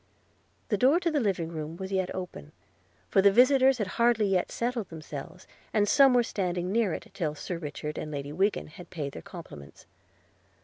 The door of the dining room was yet open, for the visitors had hardly yet settled themselves, and some were standing near it till Sir Richard and Lady Wiggin had paid their compliments.